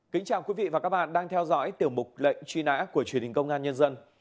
kính chào quý vị và các bạn đang theo dõi tiểu mục lệnh truy nã của truyền hình công an nhân dân